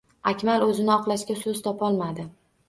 Akmal o`zini oqlashga so`z topolmadi